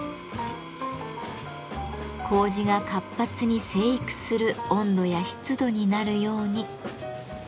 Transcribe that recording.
麹が活発に生育する温度や湿度になるように。